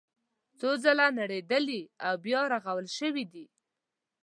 څو ځله نړېدلي او بیا رغول شوي دي.